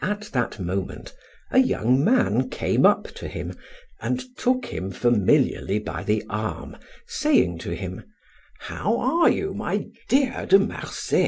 At that moment a young man came up to him and took him familiarly by the arm, saying to him: "How are you, my dear De Marsay?"